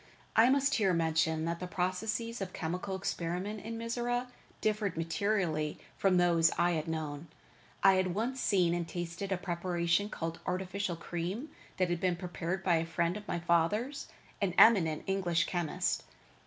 I must here mention that the processes of chemical experiment in Mizora differed materially from those I had known. I had once seen and tasted a preparation called artificial cream that had been prepared by a friend of my fathers, an eminent English chemist.